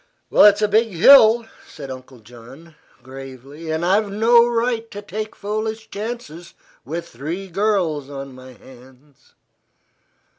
"It's a big hill," said Uncle John, gravely, "and I've no right to take foolish chances with three girls on my hands."